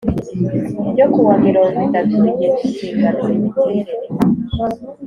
ryo ku wa mirongo itatu rigena inshingano imiterere